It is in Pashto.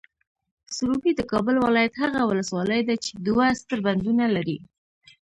سروبي، د کابل ولایت هغه ولسوالۍ ده چې دوه ستر بندونه لري.